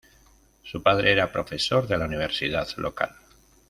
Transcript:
Su padre era profesor de la universidad local.